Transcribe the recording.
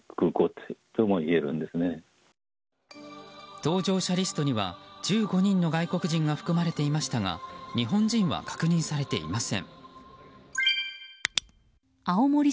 搭乗者リストには１５人の外国人が含まれていましたが日本人は確認されていません。